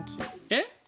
えっ？